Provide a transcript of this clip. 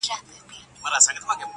د كار نه دى نور ټوله شاعري ورځيني پاته.